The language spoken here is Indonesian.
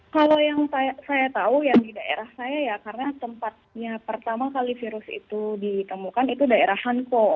kalau yang saya tahu yang di daerah saya ya karena tempatnya pertama kali virus itu ditemukan itu daerah hanko